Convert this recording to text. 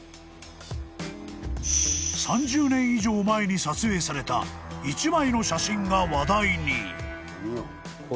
［３０年以上前に撮影された１枚の写真が話題に］